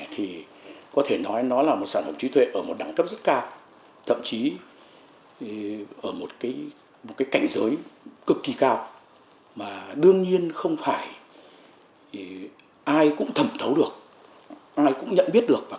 thơ vốn sĩ là một sản phẩm trí tuệ